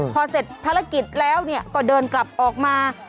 พอเสร็จภารกิจแล้วก็เดินกลับออกมา